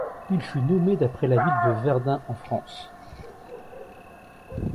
Il fut nommé d'après la ville de Verdun, en France.